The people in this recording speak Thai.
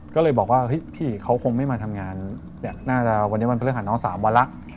ก็เลยบอกว่าเฮ้ยพี่เขาคงไม่มาทำงานน่าจะวันนี้วันพฤหัสน้อง๓วันแล้ว